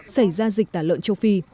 xảy ra dịch tả lợn châu phi